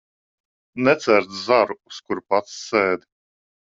Necērt zaru, uz kura pats sēdi.